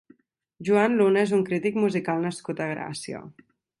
Joan Luna és un crític musical nascut a Gràcia.